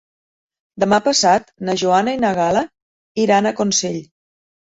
Demà passat na Joana i na Gal·la iran a Consell.